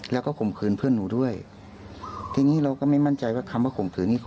แล้วก็ข่มขืนเพื่อนหนูด้วยทีนี้เราก็ไม่มั่นใจว่าคำว่าข่มขืนนี้